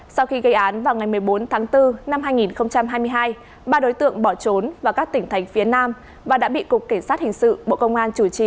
sau khi gây án vào ngày một mươi bốn tháng bốn năm hai nghìn hai mươi hai ba đối tượng bỏ trốn vào các tỉnh thành phía nam và đã bị cục cảnh sát hình sự bộ công an chủ trì